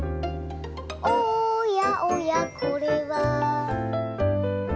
「おやおやこれは」